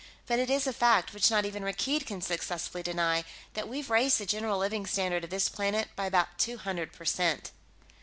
But it is a fact, which not even Rakkeed can successfully deny, that we've raised the general living standard of this planet by about two hundred percent."